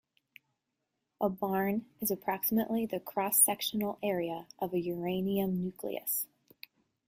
A barn is approximately the cross-sectional area of a uranium nucleus.